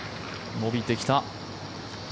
伸びてきた。